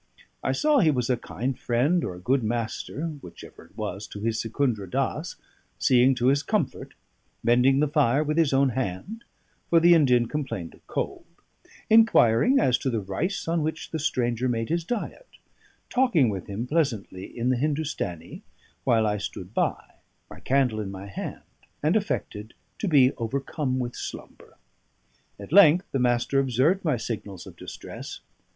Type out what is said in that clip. I saw he was a kind friend or a good master (whichever it was) to his Secundra Dass seeing to his comfort; mending the fire with his own hand, for the Indian complained of cold; inquiring as to the rice on which the stranger made his diet; talking with him pleasantly in the Hindustanee, while I stood by, my candle in my hand, and affected to be overcome with slumber. At length the Master observed my signals of distress.